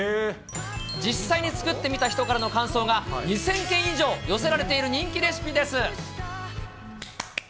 実際に作ってみた人からの感想が、２０００件以上寄せられている人気レシピです。